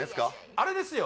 あれですよ